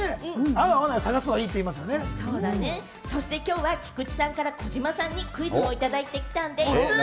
そしてきょうは菊地さんから児嶋さんにクイズをいただいてきたんでぃす。